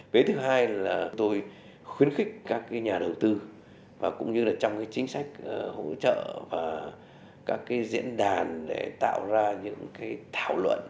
vế thứ hai là tôi khuyến khích các nhà đầu tư và cũng như là trong cái chính sách hỗ trợ và các cái diễn đàn để tạo ra những cái thảo luận